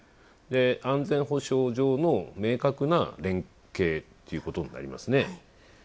安全保障上の明確な連携ということになりますね。